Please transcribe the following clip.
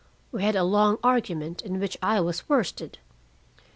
We had a long argument, in which I was worsted.